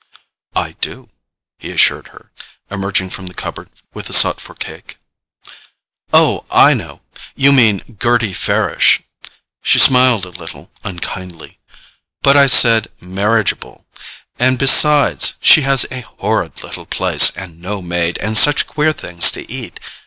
"I do," he assured her, emerging from the cupboard with the sought for cake. "Oh, I know—you mean Gerty Farish." She smiled a little unkindly. "But I said MARRIAGEABLE—and besides, she has a horrid little place, and no maid, and such queer things to eat.